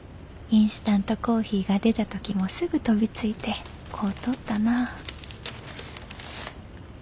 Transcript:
インスタントコーヒーが出た時もすぐ飛びついて買うとったなあ。